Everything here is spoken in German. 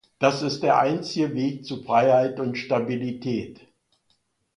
Das ist der einzige Weg zu Freiheit und Stabilität.